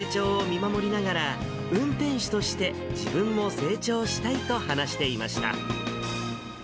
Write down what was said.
子どもの成長を見守りながら、運転手として自分も成長したいと話していました。